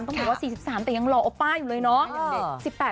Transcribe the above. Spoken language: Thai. ต้องหวังว่า๔๓ปีแต่ยังรออปป้าอยู่เลยเนาะ